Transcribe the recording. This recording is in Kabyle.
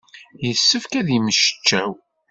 Yessefk ad temmecčaw.